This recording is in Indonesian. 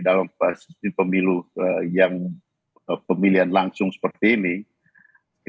dalam pemilu yang pemilihan langsung seperti ini